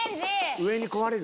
・上に壊れる！